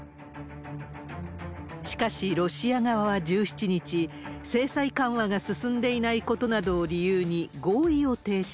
しかし、ロシア側は１７日、制裁緩和が進んでいないことなどを理由に、合意を停止。